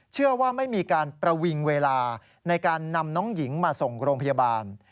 เชื่อว่าไม่มีการประวิงเวลาในการนำน้องหญิงมาส่งโรงพยาบาล